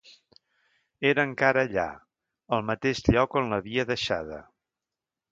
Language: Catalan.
Era encara allà, al mateix lloc on l'havia deixada.